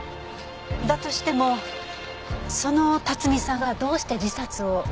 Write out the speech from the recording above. だとしてもその辰巳さんがどうして自殺を？